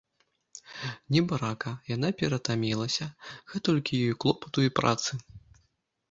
Небарака, яна ператамілася, гэтулькі ёй клопату і працы!